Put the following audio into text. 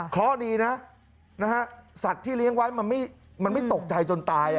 เพราะดีนะสัตว์ที่เลี้ยงไว้มันไม่ตกใจจนตาย